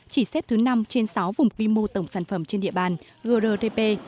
chỉ xếp thứ năm trên sáu vùng quy mô tổng sản phẩm trên địa bàn grdp